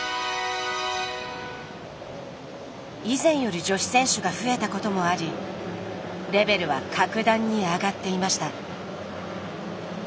以前より女子選手が増えたこともありレベルは格段に上がっていました。